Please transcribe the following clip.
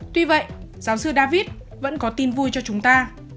tuy vậy giáo sư david vẫn có tin vui cho chúng ta